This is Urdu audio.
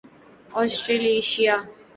آسٹریلیشیا